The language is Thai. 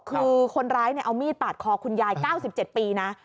คือคนร้ายเอามีดปาดคอคุณยาย๙๗ปีนะ